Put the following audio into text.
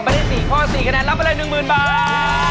รับไปเลยหนึ่งหมื่นบาท